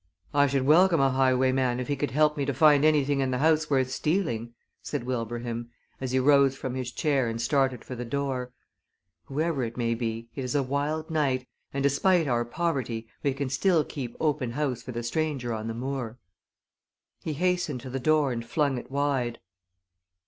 "I should welcome a highwayman if he could help me to find anything in the house worth stealing," said Wilbraham, as he rose from his chair and started for the door. "Whoever it may be, it is a wild night, and despite our poverty we can still keep open house for the stranger on the moor." He hastened to the door and flung it wide.